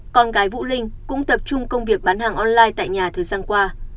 con gái vũ linh cũng tập trung công việc bán hàng online tại nhà thời gian qua